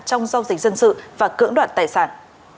trong giao dịch dân sự và cưỡng đoạt tài sản